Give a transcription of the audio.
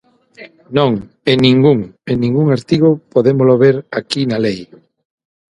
Non, ¡en ningún!, en ningún artigo, podémolo ver aquí na lei.